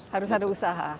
harus ada usaha